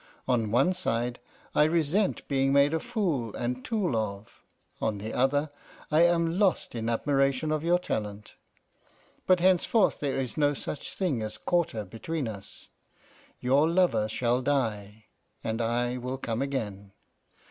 On one side, I resent being made a fool and tool of; on the other, I am lost in admiration of your talent. But henceforth there is no such thing as quarter between us. Your lover shall die, and I will come again.